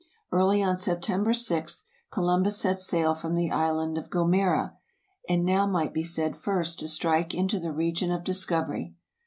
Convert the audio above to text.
Early on September 6th Columbus set sail from the island of Gomera, and now might be said first to strike into the region of discovery.